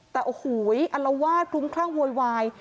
แต่โอ้โหอัลวาดคลุ้มคลั่งโวยวาย